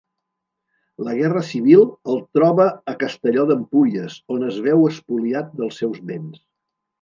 La Guerra Civil el troba a Castelló d'Empúries on es veu espoliat dels seus béns.